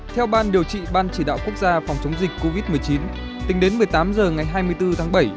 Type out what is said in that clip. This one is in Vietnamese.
theo ban điều trị ban chỉ đạo quốc gia phòng chống dịch covid một mươi chín tính đến một mươi tám h ngày hai mươi bốn tháng bảy